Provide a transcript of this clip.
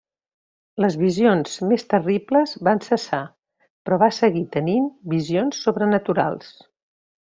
Les visions més terribles van cessar, però va seguir tenint visions sobrenaturals.